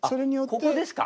あっここですか？